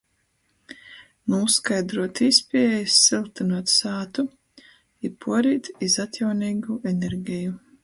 Nūskaidruot īspiejis syltynuot sātu i puorīt iz atjauneigū energeju.